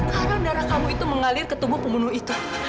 karena darah kamu itu mengalir ke tubuh pembunuh itu